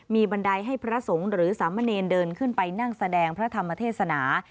มีบันไดให้พระสงฆ์หรือสามเณรเดินขึ้นไปนั่งแสดงพระธรรมเทศนา